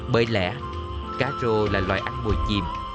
bởi lẽ cá rô là loài ăn mùi chìm